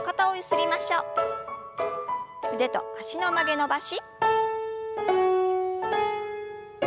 腕と脚の曲げ伸ばし。